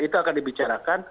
itu akan dibicarakan